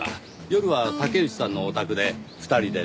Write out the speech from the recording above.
夜は竹内さんのお宅で２人で飲んでいた。